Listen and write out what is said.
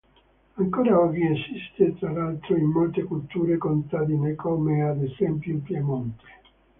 Ancora oggi esiste tra l'altro in molte culture contadine, come ad esempio in Piemonte.